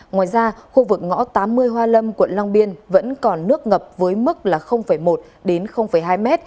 ngoài ra khu vực ngõ tám mươi hoa lâm quận long biên vẫn còn nước ngập với mức là một đến hai m